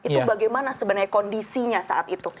itu bagaimana sebenarnya kondisinya saat itu